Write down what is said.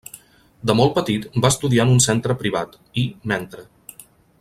De molt petit va estudiar en un centre privat i, mentre.